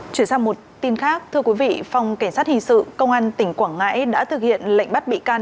chuyển sang một tin khác thưa quý vị phòng cảnh sát hình sự công an tỉnh quảng ngãi đã thực hiện lệnh bắt bị can